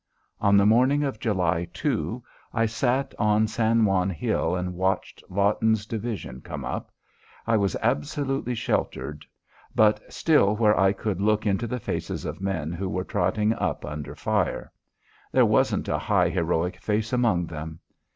On the morning of July 2, I sat on San Juan hill and watched Lawton's division come up. I was absolutely sheltered, but still where I could look into the faces of men who were trotting up under fire. There wasn't a high heroic face among them.